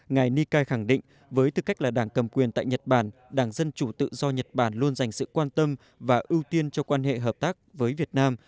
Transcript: ngài nikai khẳng định với tư cách là đảng cầm quyền tại nhật bản đảng dân chủ tự do nhật bản luôn dành sự quan tâm và ưu tiên cho quan hệ hợp tác với việt nam